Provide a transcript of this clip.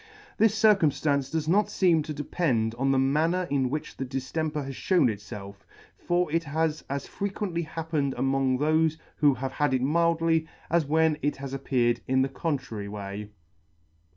This circumftance does not feem to depend on the manner in which the diflemper has fhewn itfelf, for it has as frequently happened among thofe who have had it mildly, as when it has appeared in the contrary way.